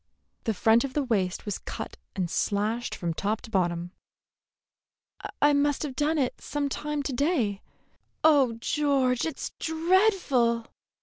The front of the waist was cut and slashed from top to bottom. "I must have done it some time to day. Oh, George, it's dreadful!"